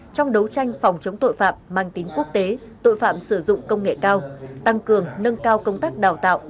trong đấu tranh phòng chống tội phạm mang tính quốc tế tội phạm sử dụng công nghệ cao